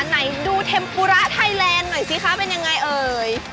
ไหนดูเทมปูระไทยแลนด์หน่อยสิคะเป็นยังไงเอ่ย